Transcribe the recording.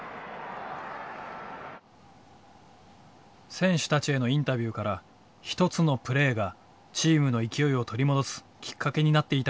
選手たちへのインタビューから一つのプレーがチームの勢いを取り戻すきっかけになっていたことが分かった。